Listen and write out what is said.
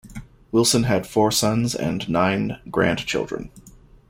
Wilson had four sons and nine grandchildren.